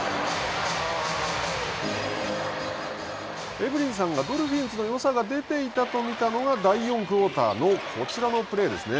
エブリンさんがドルフィンズのよさが出ていたと見たのが第４クオーターのこちらのプレーですね。